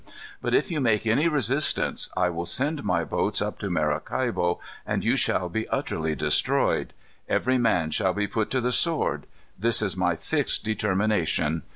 But if you make any resistance, I will send my boats up to Maracaibo, and you shall be utterly destroyed. Every man shall be put to the sword. This is my fixed determination.